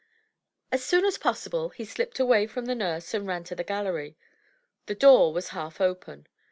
As soon as possible he sUpped away from the nurse and ran to the gallery. The door was half open.